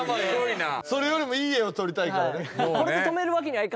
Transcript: それよりもいい画を撮りたいからね。